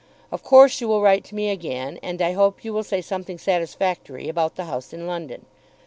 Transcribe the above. Of course you will write to me again, and I hope you will say something satisfactory about the house in London.